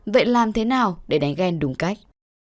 vậy làm thế nào để đánh ghen đúng cách